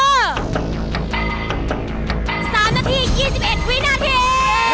๓นาที๒๑วินาที